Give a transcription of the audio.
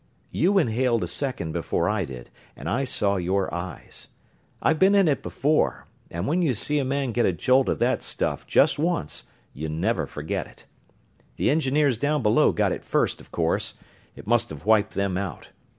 "You inhaled a second before I did, and I saw your eyes. I've been in it before and when you see a man get a jolt of that stuff just once, you never forget it. The engineers down below got it first, of course it must have wiped them out.